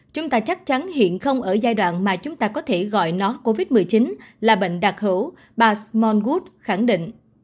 chúng ta chắc chắn hiện không ở giai đoạn mà chúng ta có thể gọi nó covid một mươi chín là bệnh đặc hữu bà smon gut khẳng định